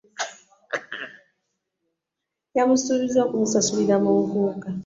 Yamsubiza okumusasurira mu nkuuka .